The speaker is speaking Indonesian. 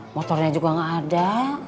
motornya juga gak ada